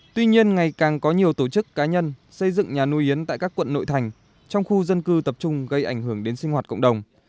tuy nhiên ngày càng có nhiều tổ chức cá nhân xây dựng nhà nuôi yến tại các quận nội thành trong khu dân cư tập trung gây ảnh hưởng đến sinh hoạt cộng đồng